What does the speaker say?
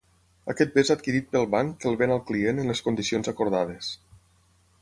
Aquest bé és adquirit pel banc que el ven al client en les condicions acordades.